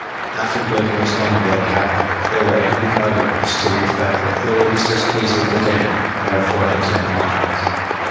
After Builder explained what had happened, there were angry mutterings to the effect that Thor was displeased with the dam and therefore had taken lives.